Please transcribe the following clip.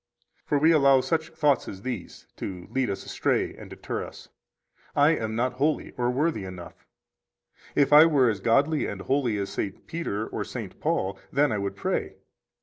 15 For we allow such thoughts as these to lead us astray and deter us: I am not holy or worthy enough; if I were as godly and holy as St. Peter or St. Paul, then I would pray.